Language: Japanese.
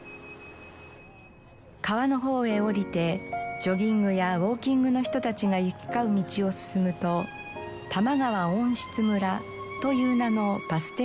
川の方へ下りてジョギングやウォーキングの人たちが行き交う道を進むと玉川温室村という名のバス停がありました。